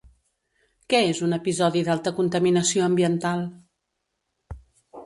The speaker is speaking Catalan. Què és un episodi d'alta contaminació ambiental?